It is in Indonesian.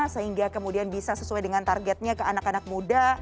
sehingga kemudian bisa sesuai dengan targetnya ke anak anak muda